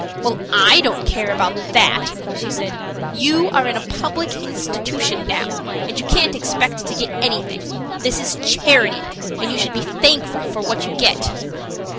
"Well, I don't care about that," she said. "You are in a public institution now, and you can't expect to get anything. This is charity, and you should be thankful for what you get."